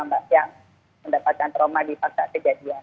mbak yang mendapatkan trauma di pasca kejadian